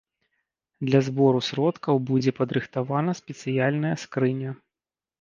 Для збору сродкаў будзе падрыхтавана спецыяльная скрыня.